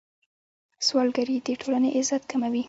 سوالګري د ټولنې عزت کموي.